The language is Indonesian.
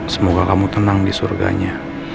semoga kamu tenang di surganya